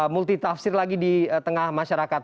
multi tafsir lagi di tengah masyarakat